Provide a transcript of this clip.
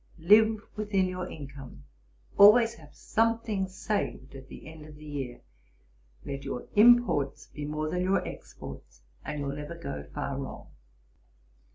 Live within your income. Always have something saved at the end of the year. Let your imports be more than your exports, and you'll never go far wrong.'